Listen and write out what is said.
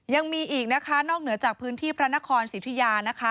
ยังมีอีกนะคะนอกเหนือจากพื้นที่พระนครสิทธิยานะคะ